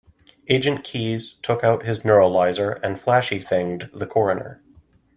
Agent Keys took out his neuralizer and flashy-thinged the coroner.